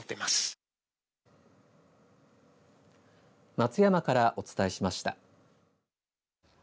松山からお伝えしました。